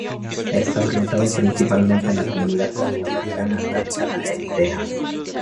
Está orientado principalmente a la comunidad latinoamericana radicada en Tejas.